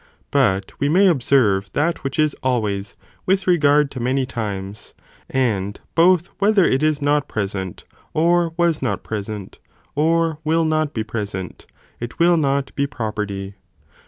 But we may observe that which is always, with regard to many times, and both whether it is not present, or was not present, or will not be present, it will not be property.